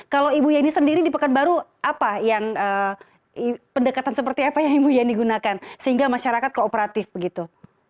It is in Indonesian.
kalau ibu yani sendiri di pekanbaru pendekatan seperti apa yang ibu yani gunakan sehingga masyarakat kooperatif begitu